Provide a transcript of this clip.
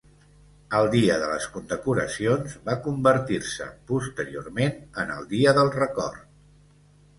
El Dia de les Condecoracions va convertir-se posteriorment en el Dia del Record.